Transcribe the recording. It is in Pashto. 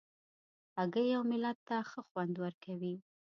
هګۍ اوملت ته ښه خوند ورکوي.